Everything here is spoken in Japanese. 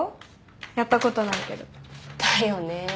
やったことないけど。だよね。